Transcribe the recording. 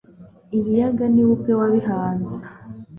ibiyaga ni we ubwe wabihanze